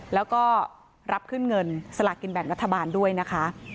แล้วก็รับขึ้นเงินสลากกินแบ่งรัฐบาลด้วยนะคะ